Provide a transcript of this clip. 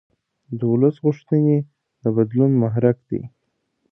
د ولس غوښتنې د بدلون محرک دي